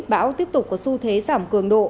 bão tiếp tục có xu thế giảm cường độ